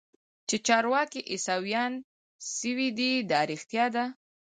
چې چارواکي عيسويان سوي دي دا رښتيا ده.